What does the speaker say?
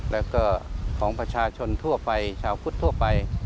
แล้วก็ของประชาชนทั่วไปชาวพุทธทั่วไป